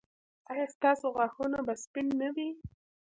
ایا ستاسو غاښونه به سپین نه وي؟